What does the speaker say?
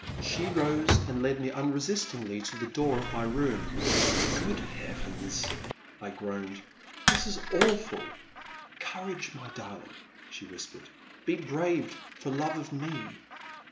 She rose and led me unresistingly to the door of my room. Good Heavens !I groaned, this is awful.* Courage, my darling! she whispered, be brave for love of me.